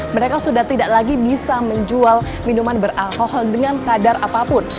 mereka sudah tidak lagi bisa menjual minuman beralkohol dengan kadar apapun